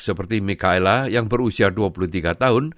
seperti mikaela yang berusia dua puluh tiga tahun